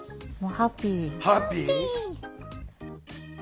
ハッピー。